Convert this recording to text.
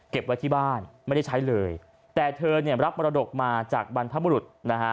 ไว้ที่บ้านไม่ได้ใช้เลยแต่เธอเนี่ยรับมรดกมาจากบรรพบุรุษนะฮะ